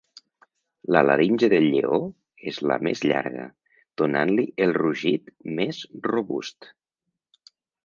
La laringe del lleó és la més llarga, donant-li el rugit més robust.